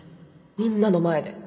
みんなの前で